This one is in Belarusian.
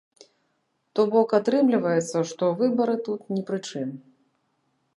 То бок, атрымліваецца, што выбары тут ні пры чым.